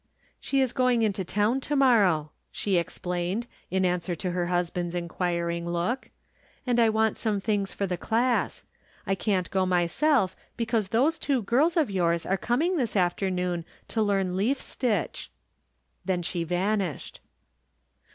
" She is going into town to morrow, "^^e ex plained, in answer to her husband's inquiring look, " and I want some things for the class. I can't go myself, because those two guis of yours are coming this afternoon to learn leaf stitch." From Different iStandpoints. 369 Then she vanished.